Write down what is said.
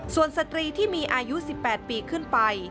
ส่วนสตรีที่มีอายุ๑๘ปีขึ้นไป